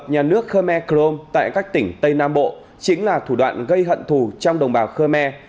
nhà nước khmer krom tại các tỉnh tây nam bộ chính là thủ đoạn gây hận thù trong đồng bào khmer